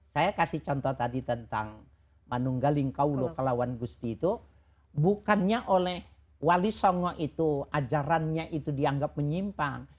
saya kasih contoh tadi tentang manunggalingkaulobusti itu bukannya oleh wali songo itu ajarannya itu dianggap menyimpang